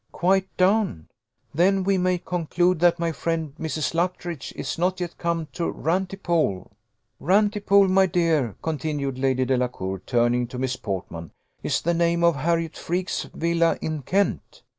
"Quite down? Then we may conclude that my friend Mrs. Luttridge is not yet come to Rantipole. Rantipole, my dear," continued Lady Delacour, turning to Miss Portman, "is the name of Harriot Freke's villa in Kent.